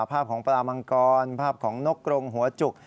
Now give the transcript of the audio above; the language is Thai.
ภาพของปลามังกรภาพของนกกรงหัวจุก